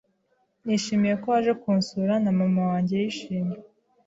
Nishimiye ko waje kunsura namama wanjye yishimye